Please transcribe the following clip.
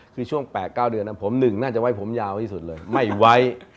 คือช่วง๘๙เดือนผม๑น่าจะไว้ผมยาวที่สุดเลยไม่ไว้